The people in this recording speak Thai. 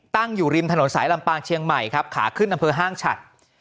ตั้งอยู่ริมถนนสายลำปางเชียงใหม่ครับขาขึ้นอำเภอห้างฉัด